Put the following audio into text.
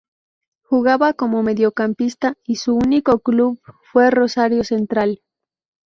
Jugaba como mediocampista y su único club fue Rosario Central.